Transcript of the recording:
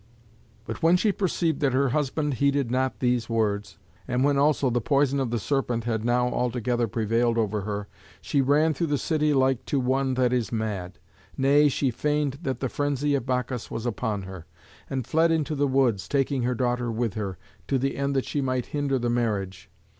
But when she perceived that her husband heeded not these words, and when also the poison of the serpent had now altogether prevailed over her, she ran through the city like to one that is mad. Nay, she feigned that the frenzy of Bacchus was upon her, and fled into the woods, taking her daughter with her, to the end that she might hinder the marriage.